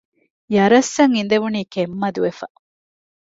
ޔަރަސް އަށް އިނދެވުނީ ކެތް މަދުވެފަ